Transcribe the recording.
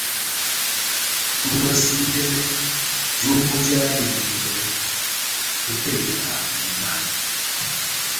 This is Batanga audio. Tumbwasidɛ vyómbo vyá enyɛngɛ opɛlɛ ya diba.